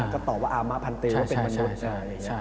ก็ตอบว่าอามพันเตว่าเป็นมนุษย์